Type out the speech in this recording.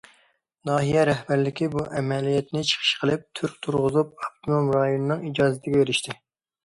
ناھىيە رەھبەرلىكى بۇ ئەمەلىيەتنى چىقىش قىلىپ، تۈر تۇرغۇزۇپ، ئاپتونوم رايوننىڭ ئىجازىتىگە ئېرىشتى.